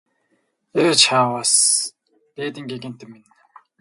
Ээ чааваас дээдийн гэгээнтэн минь!